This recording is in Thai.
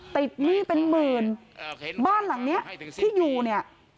หนี้เป็นหมื่นบ้านหลังเนี้ยที่อยู่เนี่ย